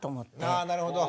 あなるほど。